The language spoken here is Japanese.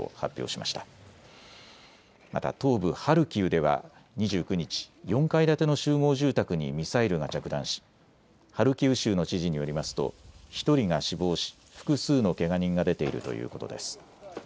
また東部ハルキウでは２９日、４階建ての集合住宅にミサイルが着弾しハルキウ州の知事によりますと１人が死亡し複数のけが人が出ているということです。